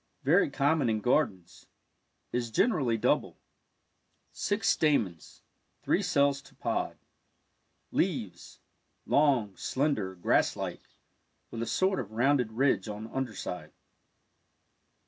Very common in gardens — is generally double. Six stamens — three cells to pod. Leaves — long, slender, grass like, with a sort of rounded ridge on under side.